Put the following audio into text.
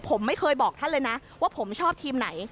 ผมไม่เคยบอกท่านเลยนะว่าผมชอบทีมไหน